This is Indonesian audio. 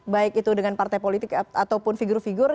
baik itu dengan partai politik ataupun figur figur